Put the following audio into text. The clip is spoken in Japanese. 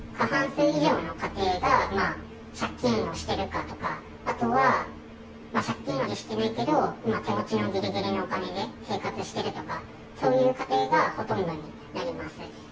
過半数以上の家庭が借金をしているかとか、あとは借金はしてないけど、今、手持ちのぎりぎりのお金で生活してるとか、そういう家庭がほとんどになりますね。